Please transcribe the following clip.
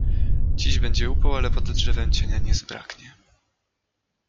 Dziś będzie upał, ale pod drzewem cienia nie zbraknie.